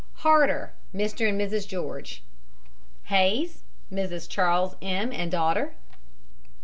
HARDER, MR. AND MRS. GEORGE. HAYS, MRS. CHARLES M., and daughter.